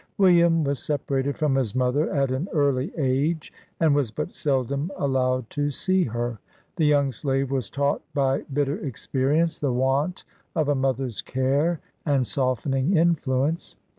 William was separated from his mother at an early age, and was but seldom allowed to see her. The young slave was taught by bitter experience the want AN AMERICAN BONDMAN. 7 of a mother's care and softening influence.